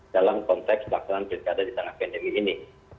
dalam konteks pelaksanaan pilkada di tengah pandemi ini